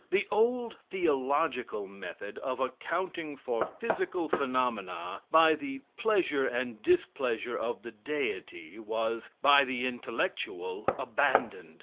The old theological method of accounting for physical phenomena by the pleasure and displeasure of the Deity was, by the intellectual, abandoned.